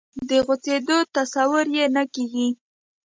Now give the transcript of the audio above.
د غځېدو تصور یې نه کېږي.